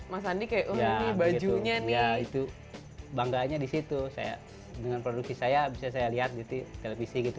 mas andi ke unik bajunya nia itu bangganya di situ saya dengan produksi saya bisa saya lihat begitu